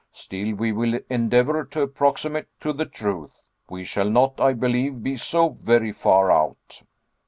Still, we will endeavor to approximate to the truth. We shall not, I believe, be so very far out."